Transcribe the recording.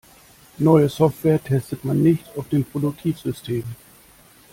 Neue Software testet man nicht auf dem Produktivsystem.